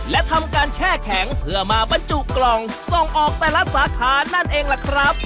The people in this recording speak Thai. และทำการแช่แข็งเพื่อมาบรรจุกล่องส่งออกแต่ละสาขานั่นเองล่ะครับ